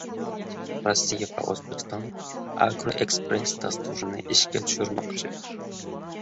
Rossiya va O‘zbekiston "Agroekspress" dasturini ishga tushirmoqchi